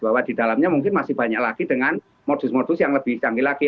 bahwa di dalamnya mungkin masih banyak lagi dengan modus modus yang lebih canggih lagi